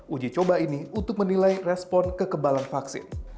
uji coba ini untuk menilai respon kekebalan vaksin